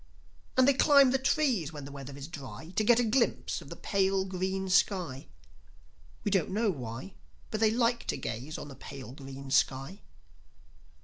And they climb the trees when the weather is dry To get a glimpse of the pale green sky. We don't know why, But they like to gaze on the pale green sky.